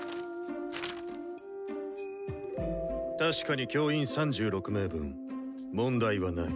確かに教員３６名分問題はない。